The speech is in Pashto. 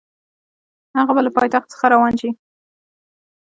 هغه به له پایتخت څخه روان شي.